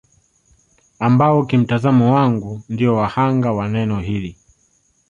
Ambao kimtazamo wangu ndio wa hanga wa neno hili